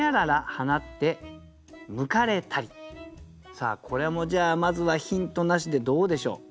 さあこれもじゃあまずはヒントなしでどうでしょう？